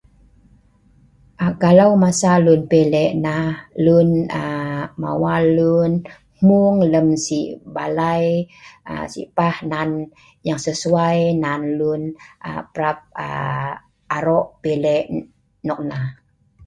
Aa kalau masa lun pile' nah, lun aa mawal luen hmueng lem si' balai aa si'pah nan yang sesuai nan lun prap aro pile' noknah.